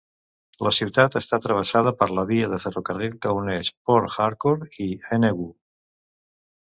La ciutat està travessada per la via de ferrocarril que uneix Port Harcourt i Enugu.